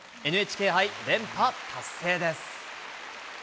ＮＨＫ杯連覇達成です。